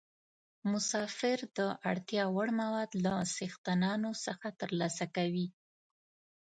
مسافر د اړتیا وړ مواد له څښتنانو څخه ترلاسه کوي.